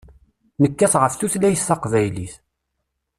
Nekkat ɣef tutlayt taqbaylit.